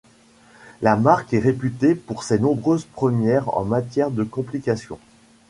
La marque est réputée pour ses nombreuses premières en matière de complications.